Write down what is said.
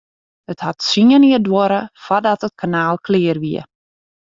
It hat tsien jier duorre foardat it kanaal klear wie.